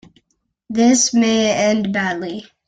This may end badly.